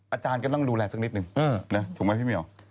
อาจารย์ก็ต้องดูแลสักนิดนึงถูกไหมพี่เหมียว